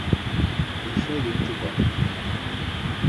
Ixo ye un chupón.